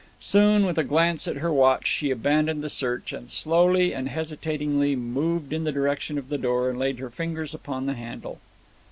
Soon, with a glance at her watch, she abandoned the search, and slowly and hesitatingly moved in the direction of the door and laid her fingers upon the handle.